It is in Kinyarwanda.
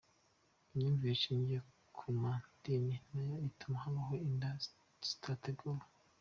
Imyumvire ishingiye ku madini nayo ituma habaho inda zitateguwe.